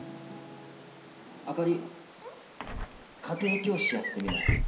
家庭教師やってみない？